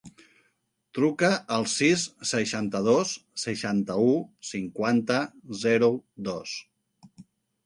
Truca al sis, seixanta-dos, seixanta-u, cinquanta, zero, dos.